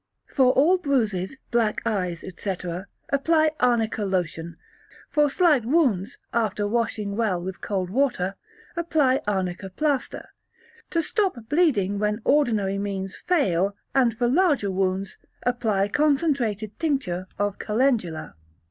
For all bruises, black eyes, etc., apply Arnica lotion; for slight wounds, after washing well with cold water, apply Arnica plaster; to stop bleeding when ordinary means fail, and for larger wounds, apply concentrated tincture of Calendula.